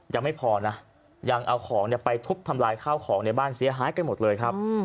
ยังไม่พอนะยังเอาของไปทุบทำลายข้าวของในบ้านเสียหายกันหมดเลยครับ